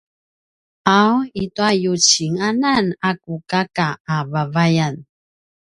’aw i tua yucinganan a ku kaka a vavayan